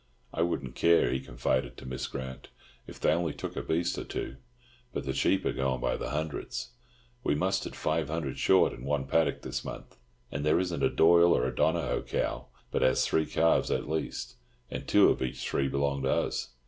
"I wouldn't care," he confided to Miss Grant, "if they only took a beast or two. But the sheep are going by hundreds. We mustered five hundred short in one paddock this month. And there isn't a Doyle or a Donohoe cow but has three calves at least, and two of each three belong to us."